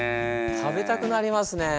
食べたくなりますね。